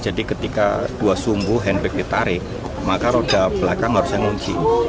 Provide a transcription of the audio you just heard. jadi ketika dua sumbu handbrake ditarik maka roda belakang harusnya menguji